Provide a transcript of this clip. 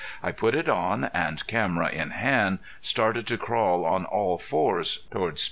I put it on, and, camera in hand, started to crawl on all fours toward Spitfire.